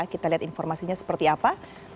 kita lihat informasinya seperti apa